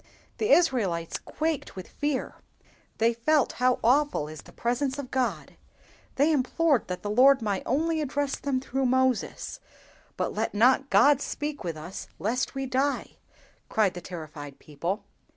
The Israelites quaked with fear; they felt how awful is the presence of God; they implored that the Lord might only address them through Moses—'But let not God speak with us lest we die!' cried the terrified people.